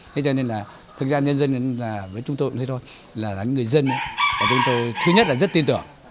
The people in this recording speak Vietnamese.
thế cho nên là thực ra nhân dân với chúng tôi cũng như thế thôi là những người dân và chúng tôi thứ nhất là rất tin tưởng